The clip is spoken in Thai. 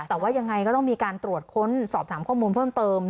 แต่ว่ายังไงก็ต้องมีการตรวจค้นสอบถามข้อมูลเพิ่มเติม